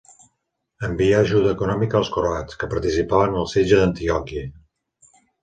Envià ajuda econòmica als croats que participaven en el setge d'Antioquia.